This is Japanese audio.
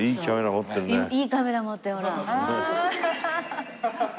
いいカメラ持ってるほら。アハハ！